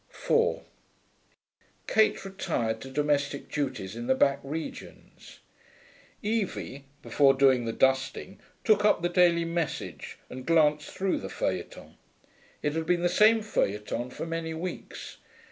4 Kate retired to domestic duties in the back regions. Evie, before doing the dusting, took up the Daily Message and glanced through the feuilleton. It had been the same feuilleton for many weeks.